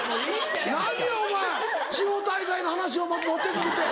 何お前地方大会の話を持って来るって。